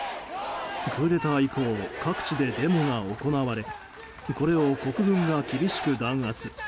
クーデター以降各地でデモが行われこれを国軍が厳しく弾圧。